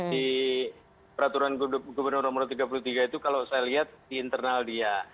di peraturan gubernur nomor tiga puluh tiga itu kalau saya lihat di internal dia